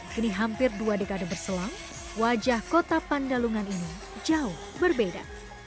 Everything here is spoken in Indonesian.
kini hampir dua dekade berselang wajah kota pandalungan ini jauh berbeda